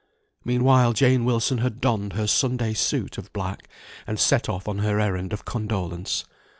Meanwhile Jane Wilson had donned her Sunday suit of black, and set off on her errand of condolence.